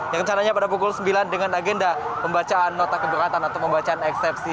yang rencananya pada pukul sembilan dengan agenda pembacaan nota keberatan atau pembacaan eksepsi